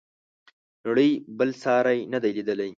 نړۍ بل ساری نه دی لیدلی.